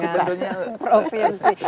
komunikasinya dengan provinsi